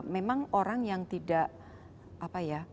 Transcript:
memang orang yang tidak apa ya